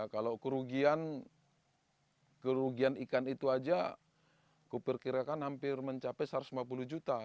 kalau kerugian ikan itu aja kuperkirakan hampir mencapai satu ratus lima puluh juta